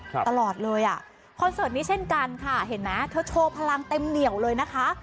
ตลอดเลยอ่ะคอนเสิร์ตนี้เช่นกันค่ะเห็นไหมเธอโชว์พลังเต็มเหนียวเลยนะคะ